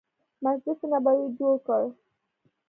مسجد نبوي یې جوړ کړ.